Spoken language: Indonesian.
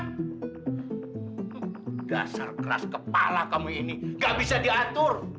dasar keras kepala kamu ini gak bisa diatur